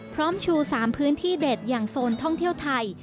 ชู๓พื้นที่เด็ดอย่างโซนท่องเที่ยวไทย